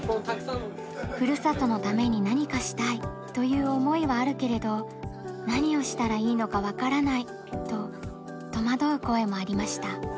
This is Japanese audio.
「ふるさとのために何かしたい」という思いはあるけれど何をしたらいいのか分からないと戸惑う声もありました。